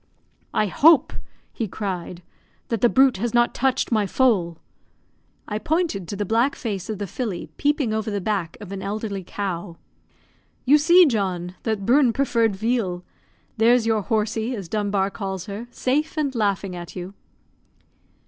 "I hope," he cried, "that the brute has not touched my foal!" I pointed to the black face of the filly peeping over the back of an elderly cow. "You see, John, that Bruin preferred veal; there's your 'horsey,' as Dunbar calls her, safe, and laughing at you."